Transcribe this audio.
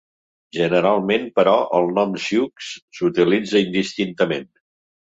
Generalment, però, el nom 'sioux' s'utilitza indistintament.